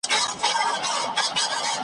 عاقبت به خپل تاریخ ته مختورن یو .